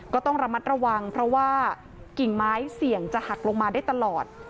ก็ต้องระมัดระวังเพราะว่ากิ่งไม้เสี่ยงจะหักลงมาได้ตลอด